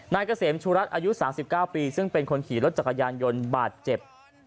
นายเกษมชูรัฐอายุ๓๙ปีซึ่งเป็นคนขี่รถจักรยานยนต์บาดเจ็บ